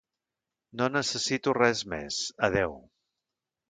No necessito res més, adéu!